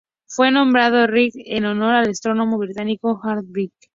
Fue nombrado Ridley en honor al astrónomo británico Harold B. Ridley.